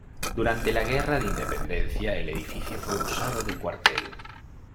Durante la guerra de independencia el edificio fue usado de cuartel.